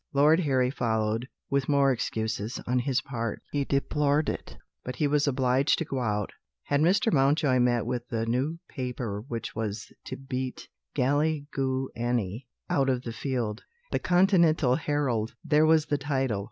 Lord Harry followed, with more excuses, on his part. He deplored it but he was obliged to go out. Had Mr. Mountjoy met with the new paper which was to beat "Galiguani" out of the field? The "Continental Herald " there was the title.